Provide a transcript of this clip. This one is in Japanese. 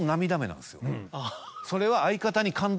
それは。